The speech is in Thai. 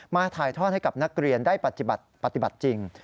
มาถ่ายท่อนให้กับนักเรียนได้ปฏิบัติปฏิบัติจริง